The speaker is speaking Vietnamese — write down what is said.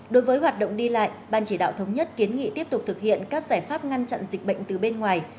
đối với hoạt động đi lại ban chỉ đạo thống nhất kiến nghị tiếp tục thực hiện các giải pháp ngăn chặn dịch bệnh từ bên ngoài